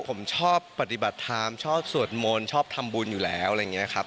ผมชอบปฏิบัติธรรมชอบสวดมนต์ชอบทำบุญอยู่แล้วอะไรอย่างนี้ครับ